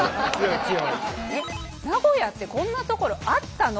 えっ名古屋ってこんなところあったの？